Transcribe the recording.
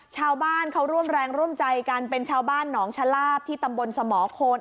ชาวบ้านเขาร่วมแรงร่วมใจกันเป็นชาวบ้านหนองชะลาบที่ตำบลสมโคน